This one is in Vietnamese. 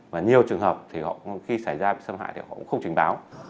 và nhiều trường hợp thì họ khi xảy ra bị xâm hại thì họ cũng không trình báo